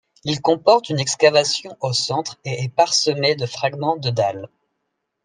Il comporte une excavation au centre et est parsemé de fragments de dalles.